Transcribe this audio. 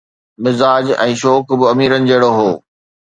، مزاج ۽ شوق به اميرن جهڙو هو.